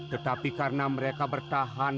tetapi karena mereka bertahan